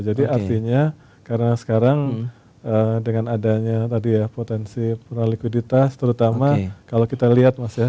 jadi artinya karena sekarang dengan adanya tadi ya potensi penuh likuiditas terutama kalau kita lihat mas ya